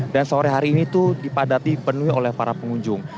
dan sore hari ini itu dipadati penuhi oleh para pengunjung